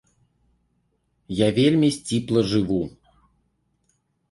Я вельмі сціпла жыву.